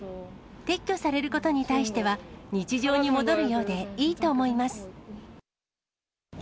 撤去されることに対しては、日常に戻るようでいいと思います。